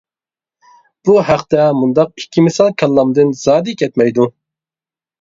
بۇ ھەقتە مۇنداق ئىككى مىسال كاللامدىن زادى كەتمەيدۇ.